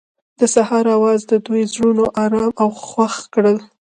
د سهار اواز د دوی زړونه ارامه او خوښ کړل.